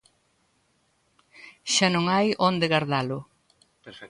Xa non hai onde gardalo.